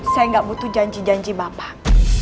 saya nggak butuh janji janji bapak